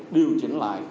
điều chỉnh lại